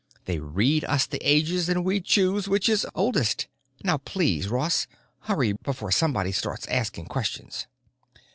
They read us the ages, and we choose which is oldest. Now please, Ross, hurry before somebody starts asking questions!"